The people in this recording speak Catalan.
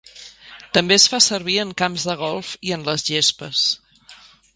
També es fa servir en camps de golf i en les gespes.